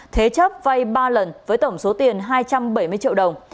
thế chấp vay ba lần với tổng số tiền hai trăm bảy mươi triệu đồng